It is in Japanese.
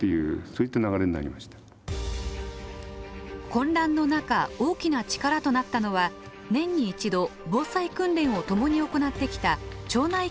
混乱の中大きな力となったのは年に一度防災訓練を共に行ってきた町内会の人たちでした。